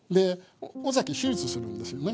尾崎手術するんですよね。